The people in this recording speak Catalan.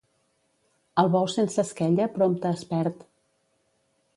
El bou sense esquella prompte es perd.